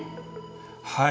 はい。